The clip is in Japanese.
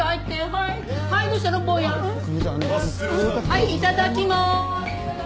はいいただきまーす。